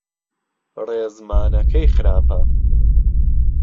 ڕێزمانەکەی خراپە.